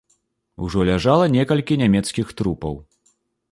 Ужо ляжала некалькі нямецкіх трупаў.